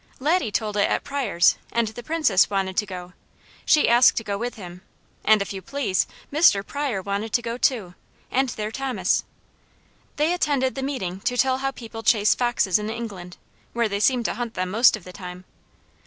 Laddie told it at Pryors' and the Princess wanted to go; she asked to go with him, and if you please, Mr. Pryor wanted to go too, and their Thomas. They attended the meeting to tell how people chase foxes in England, where they seem to hunt them most of the time.